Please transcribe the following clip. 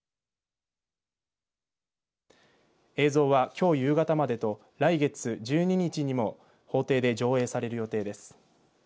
映像はきょう夕方までと来月１２日にも法廷で上映される予定です。